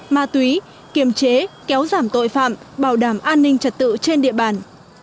ma túy kiềm chế kéo giảm tội phạm bảo đảm an ninh trật tự trên địa bàn